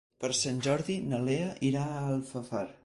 Per Sant Jordi na Lea irà a Alfafar.